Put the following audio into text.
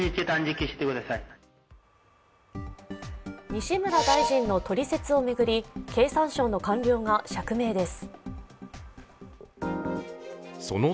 西村大臣のトリセツを巡り経産省の官僚が釈明です。